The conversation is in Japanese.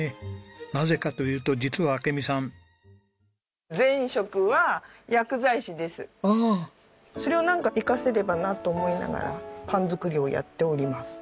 なぜかというと実は明美さん。それをなんか生かせればなと思いながらパン作りをやっております。